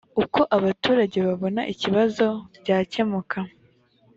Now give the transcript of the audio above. uko abaturage babona ibibazo byakemuka